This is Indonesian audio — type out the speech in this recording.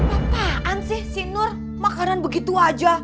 apaan sih si nur makanan begitu aja